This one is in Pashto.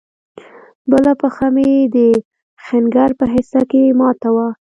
بله پښه مې د ښنگر په حصه کښې ماته وه.